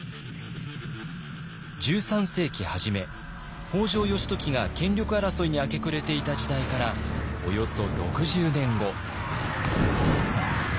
１３世紀初め北条義時が権力争いに明け暮れていた時代からおよそ６０年後。